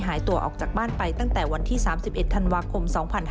หายตัวออกจากบ้านไปตั้งแต่วันที่๓๑ธันวาคม๒๕๕๙